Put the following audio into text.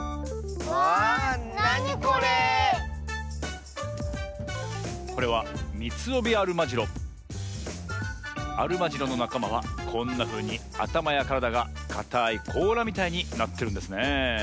わなにこれ⁉これはアルマジロのなかまはこんなふうにあたまやからだがかたいこうらみたいになってるんですね。